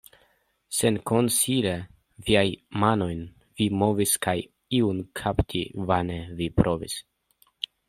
Senkonsile viajn manojn vi movis, kaj iun kapti vane vi provis.